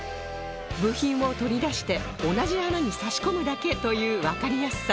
部品を取り出して同じ穴に差し込むだけというわかりやすさ